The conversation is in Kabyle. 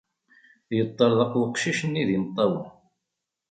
Yeṭṭerḍeq weqcic-nni d imeṭṭawen.